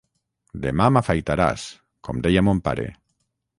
Demà m'afaitaràs, com deia mon pare.